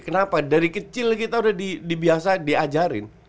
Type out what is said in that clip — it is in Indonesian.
kenapa dari kecil kita udah di biasa diajarin